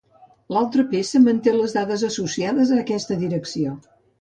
L'altra peça manté les dades associades a aquesta direcció.